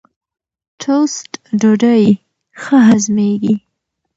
ټوسټ ډوډۍ ښه هضمېږي.